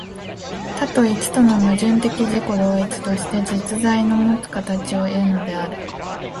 多と一との矛盾的自己同一として、実在のもつ形をいうのである。